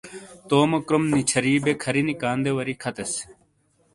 تومو کروم نچھری بے کھرینی کاندے واری کھتیس۔